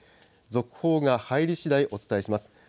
続報が入りしだい、お伝えします。